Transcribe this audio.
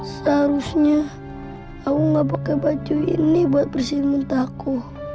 seharusnya aku nggak pakai baju ini buat bersih muntahku